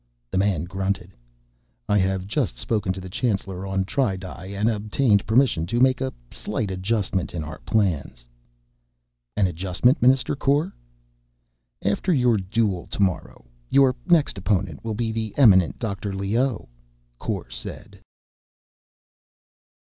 The man grunted. "I have just spoken to the Chancellor on the tri di, and obtained permission to make a slight adjustment in our plans." "An adjustment, Minister Kor?" "After your duel tomorrow, your next opponent will be the eminent Dr. Leoh," Kor said.